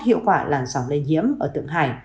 hiệu quả làn sóng lây nhiễm ở thượng hải